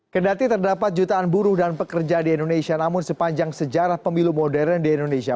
kedati terdapat jutaan buruh dan pekerja di indonesia namun sepanjang sejarah pemilu modern di indonesia